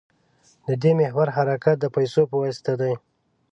د دې محور حرکت د پیسو په واسطه دی.